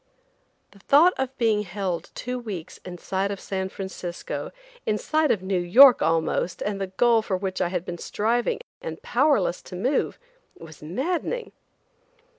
The thought of being held two weeks in sight of San Francisco, in sight of New York almost, and the goal for which I had been striving and powerless to move, was maddening.